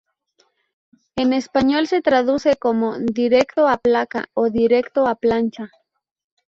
En español se traduce como "Directo a Placa" o "Directo a Plancha".